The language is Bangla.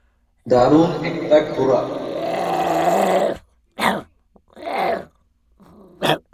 দারুণ একটা ঘোড়া।